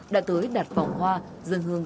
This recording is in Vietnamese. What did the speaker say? đã tới đặt phòng hoa dân hương